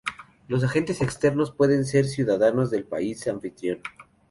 Los agentes externos pueden ser ciudadanos del país anfitrión.